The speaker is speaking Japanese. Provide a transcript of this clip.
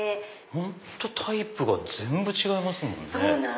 本当タイプが全部違いますもんね。